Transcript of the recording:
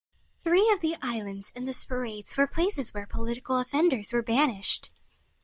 Three of the islands in the Sporades were places where political offenders were banished.